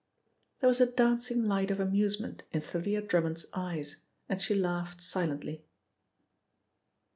There was a dancing light of amusement in Thalia Drummond's eyes and she laughed silently.